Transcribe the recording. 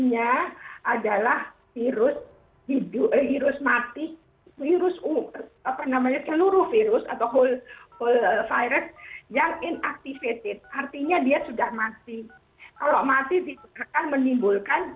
ya sebetulnya kita harus melihat dulu ya